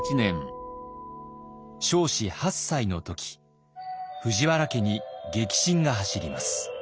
彰子８歳の時藤原家に激震が走ります。